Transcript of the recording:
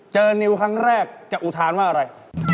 นิวครั้งแรกจะอุทานว่าอะไร